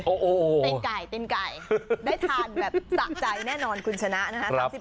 ตีนไก่ได้ทานแบบสะใจแน่นอนคุณชนะนะครับ